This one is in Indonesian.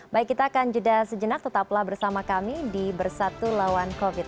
baik kita akan jeda sejenak tetaplah bersama kami di bersatu lawan covid sembilan